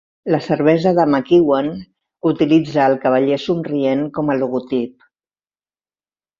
La cervesa de McEwan utilitza el "Cavaller somrient" com a logotip.